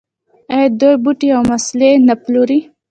آیا دوی بوټي او مسالې نه پلوري؟